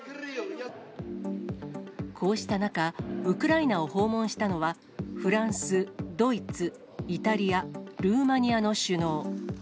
こうした中、ウクライナを訪問したのは、フランス、ドイツ、イタリア、ルーマニアの首脳。